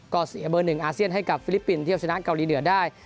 ก็เสียเบอร์๑อาเซียนให้กับฟิลิปปินส์ที่เอาชนะเกาหลีเหนือได้